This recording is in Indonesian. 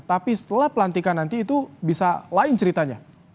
tapi setelah pelantikan nanti itu bisa lain ceritanya